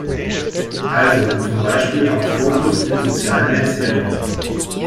Also zum Beispiel auf Fotos in sozialen Netzwerken.